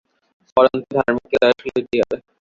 পরন্তু ধার্মিককে দয়াশীল হইতেই হইবে।